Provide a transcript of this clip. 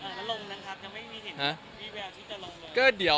อ่ะมันลงแล้วครับยังไม่มีเห็นรวมเวลาที่จะลงเลย